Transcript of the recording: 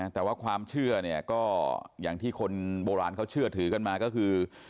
แต่ว่าความเชื่อเนี่ยก็อย่างที่คนโบราณเขาเชื่อถือกันมาก็คือ